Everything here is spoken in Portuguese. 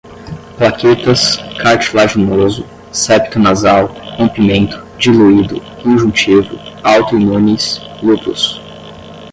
plaquetas, cartilaginoso, septo nasal, rompimento, diluído, conjuntivo, autoimunes, lúpus